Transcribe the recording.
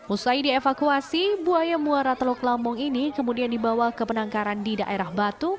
usai dievakuasi buaya muara teluk lambung ini kemudian dibawa ke penangkaran di daerah batu